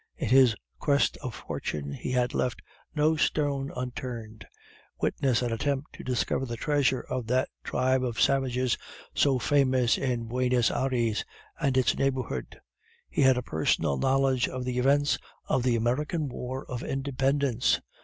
In his quest of fortune he had left no stone unturned; witness an attempt to discover the treasure of that tribe of savages so famous in Buenos Ayres and its neighborhood. He had a personal knowledge of the events of the American War of Independence.